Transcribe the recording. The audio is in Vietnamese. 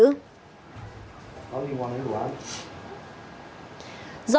do vaccine mâu thuẫn cá nhân